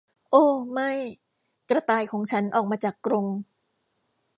โอ้ไม่กระต่ายของฉันออกมาจากกรง !